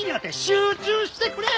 集中してくれよ！